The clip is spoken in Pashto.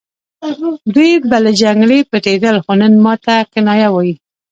دوی به له جګړې پټېدل خو نن ماته کنایه وايي